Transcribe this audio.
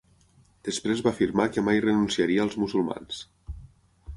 Després va afirmar que mai renunciaria als musulmans.